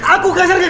aku kasar gak